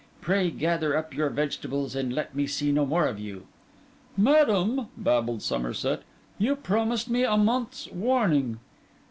Pray, gather up your vegetables, and let me see no more of you.' 'Madam,' babbled Somerset, 'you promised me a month's warning.